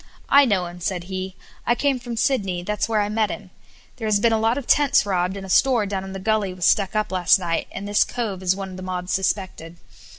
"I know him," said he. "I came from Sydney; that's where I met him. There has been a lot of tents robbed, and a store down in the Gully was stuck up last night, and this cove is one of the mob suspected.